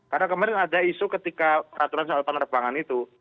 karena kemarin ada isu ketika aturan soal penerbangan itu